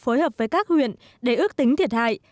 phối hợp với các huyện để ước tính thiệt hại